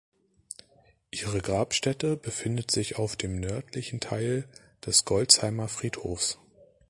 Ihre Grabstätte befindet sich auf dem nördlichen Teil des Golzheimer Friedhofs.